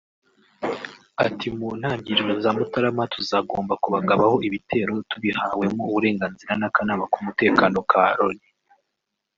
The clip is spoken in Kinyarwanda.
Ati” Mu ntangiriro za Mutarama tuzagomba kubagabaho ibitero tubihawemo uburenganzira n’Akanama k’Umutekano ka Loni